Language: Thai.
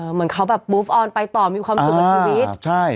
เหมือนเค้าแบบปูฟออนไปต่อมีความตุ๊ะกับชีวิต